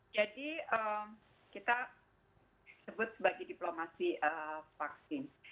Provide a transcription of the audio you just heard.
jadi kita sebut sebagai diplomasi vaksin